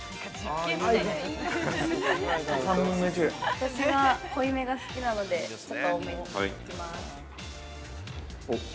◆私は濃いめが好きなので、ちょっと多めに行きます。